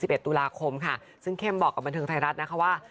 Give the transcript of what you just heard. เอ็ดตุลาคมค่ะซึ่งเข้มบอกกับบันเทิงไทยรัฐนะคะว่า